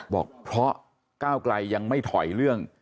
บอกเพราะก้าวไกลยังไม่ถอยเรื่อง